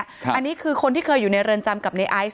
อันนี้คือคนที่เคยอยู่ในเรือนจำกับในไอซ์